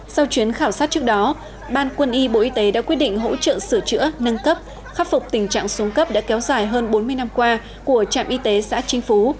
sau chuyến khảo sát trước đó ban quân y bộ y tế đã quyết định hỗ trợ sửa chữa nâng cấp khắc phục tình trạng xuống cấp đã kéo dài hơn bốn mươi năm qua của trạm y tế xã trinh phú